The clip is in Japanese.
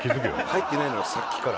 入ってないのよさっきから。